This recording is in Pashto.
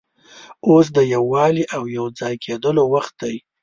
اوس د یووالي او یو ځای کېدلو وخت دی.